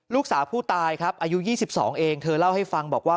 ลูกสาวผู้ตายครับอายุ๒๒เองเธอเล่าให้ฟังบอกว่า